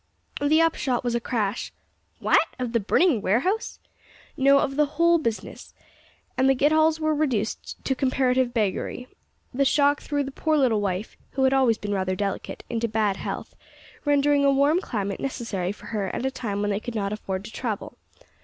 "The upshot was a crash " "What! of the burning warehouse?" "No; of the whole business, and the Getalls were reduced to comparative beggary. The shock threw the poor little wife, who had always been rather delicate, into bad health, rendering a warm climate necessary for her at a time when they could not afford to travel.